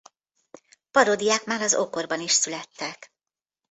Paródiák már az ókorban is születtek.